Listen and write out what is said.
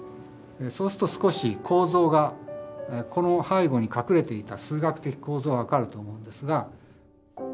そうすると少し構造がこの背後に隠れていた数学的構造が分かると思うんですが。